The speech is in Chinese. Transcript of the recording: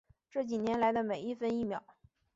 这几年来的每一分一秒